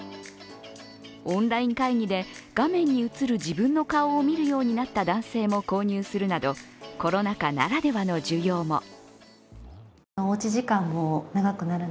オンライン会議で画面に映る自分の顔を見るようになった男性も購入するなどコロナ禍ならではの需要も。